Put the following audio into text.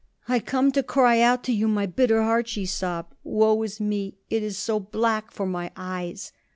"I come to cry out to you my bitter heart," she sobbed. "Woe is me! It is so black for my eyes!"